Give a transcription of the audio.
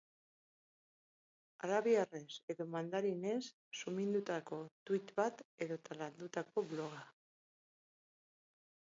Arabiarrez edo mandarinez, sumindutako tuit bat edota landutako bloga.